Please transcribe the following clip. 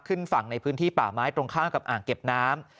ขึ้นฝั่งในพื้นที่ป่าไม้ตรงข้ามกับอ่างเก็บน้ำ